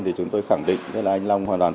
thì chúng tôi khẳng định là anh long hoàn toàn không